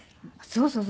そうそうそう。